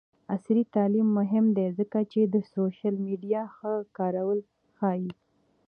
عصري تعلیم مهم دی ځکه چې د سوشل میډیا ښه کارول ښيي.